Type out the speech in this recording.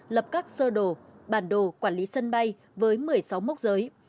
lập các sơ đồ bản đồ quản lý sân bay với một mươi sáu mốc giới